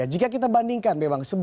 jika kita bandingkan memang